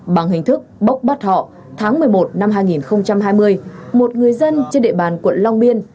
bằng hình thức bốc bắt họ tháng một mươi một năm hai nghìn hai mươi một người dân trên địa bàn quận long biên